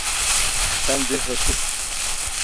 Sen bir hırsızsın.